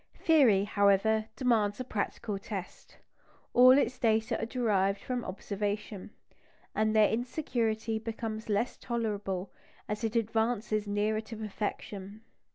Theory, however, demands a practical test. All its data are derived from observation; and their insecurity becomes less tolerable as it advances nearer to perfection.